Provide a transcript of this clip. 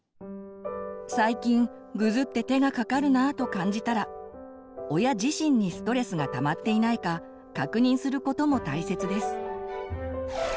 「最近ぐずって手がかかるなあ」と感じたら親自身にストレスがたまっていないか確認することも大切です。